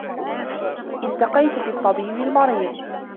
التقيت بالطبيب المريض